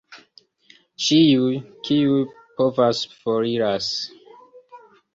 Ĉiuj, kiuj povas, foriras.